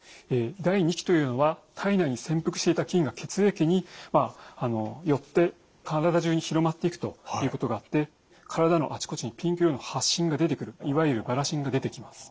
第２期というのは体内に潜伏していた菌が血液によって体中に広まっていくということがあって体のあちこちにピンク色の発疹が出てくるいわゆるバラ疹が出てきます。